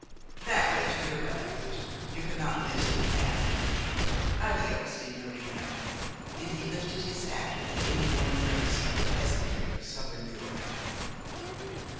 "That way to your left you cannot miss the path. Addio, sigñorina," and he lifted his hat with the inborn grace of the peasantry of Southern Europe.